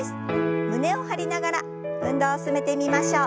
胸を張りながら運動を進めてみましょう。